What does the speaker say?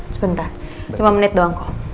sebentar lima menit doang kok